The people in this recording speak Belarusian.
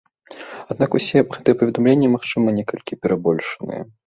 Аднак усе гэтыя паведамленні, магчыма, некалькі перабольшаныя.